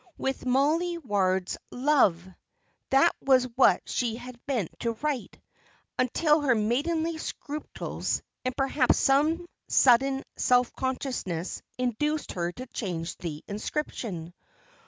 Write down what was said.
"With Mollie Ward's love" that was what she had meant to write, until her maidenly scruples, and perhaps some sudden self consciousness, induced her to change the inscription.